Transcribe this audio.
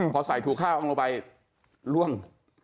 พอใส่ถูข้าวลงไปล่วง